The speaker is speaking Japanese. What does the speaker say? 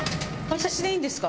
私でいいんですか？